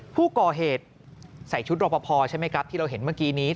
ผู้ก่อเหตุใส่ชุดรอปภใช่ไหมครับที่เราเห็นเมื่อกี้นี้